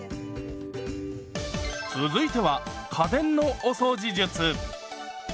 続いては家電のお掃除術。